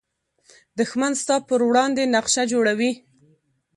دښمن ستا پر وړاندې نقشه جوړوي